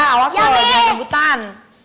alas loh jangan kebutan